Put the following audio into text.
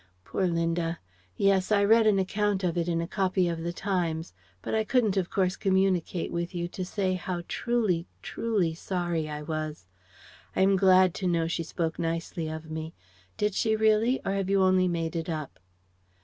Poor Linda! Yes, I read an account of it in a copy of the Times; but I couldn't of course communicate with you to say how truly, truly sorry I was. I am glad to know she spoke nicely of me. Did she really? Or have you only made it up?"